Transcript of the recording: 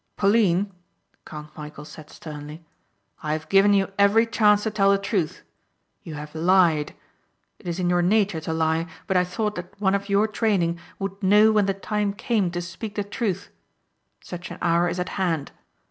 "Pauline," Count Michæl said sternly, "I have given you every chance to tell the truth. You have lied. It is in your nature to lie but I thought that one of your training would know when the time came to speak the truth. Such an hour is at hand.